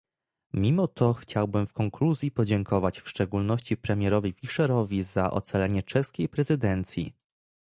Mimo to chciałbym w konkluzji podziękować w szczególności premierowi Fischerowi za ocalenie czeskiej prezydencji